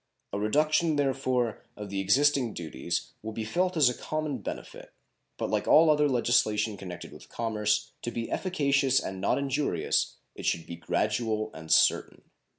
A reduction, therefore, of the existing duties will be felt as a common benefit, but like all other legislation connected with commerce, to be efficacious and not injurious it should be gradual and certain.